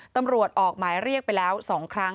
ตำรวจออกหมายเรียกไปแล้ว๒ครั้ง